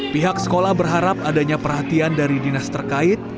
pihak sekolah berharap adanya perhatian dari dinas terkait